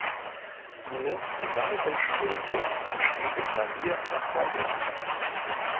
Ines sang im Schulchor und spielte Klavier und Akkordeon.